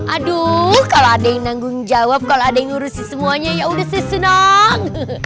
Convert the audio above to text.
aduh kalau ada yang nanggung jawab kalau ada yang ngurusin semuanya yaudah saya senang